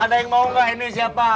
ada yang mau gak ini siapa